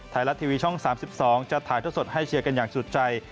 ไทยรัฐทีวีช่อง๓๒จะถ่ายท่อสดให้เชียร์กันอย่างสุดใจ